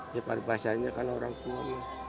ya terpaksanya kalau orang tua